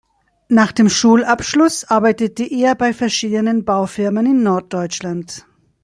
Nach dem Schulabschluss arbeitete er bei verschiedenen Baufirmen in Norddeutschland.